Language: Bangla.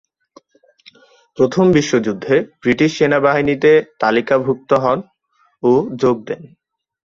প্রথম বিশ্বযুদ্ধে ব্রিটিশ সেনাবাহিনীতে তালিকাভূক্ত হন ও যোগ দেন।